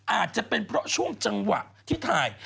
อาจจะเป็นเพราะช่วงจังหวะที่ถ่าย